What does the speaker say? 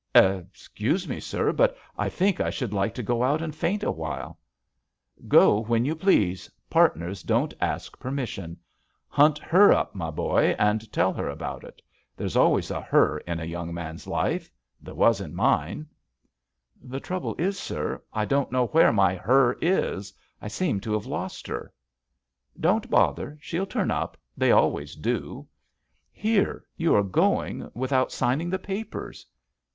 "Excuse me, sir, but I think I should like to go out and faint awhile." "Go when you please. Partners don't ask permission. Hunt her up, my boy, and tell her about it. There's always a *her' in a young man's life. There was in mine." "The trouble is, sir, I don't know where my *her' is. I seem to have lost her." "Don't bother. She'll turn up. They always do. Here, you are going without signing the papers."